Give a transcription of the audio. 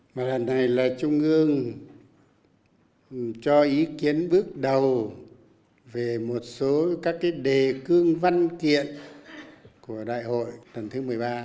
mà lần này là trung ương cho ý kiến bước đầu về một số các cái đề cương văn kiện của đại hội lần thứ một mươi ba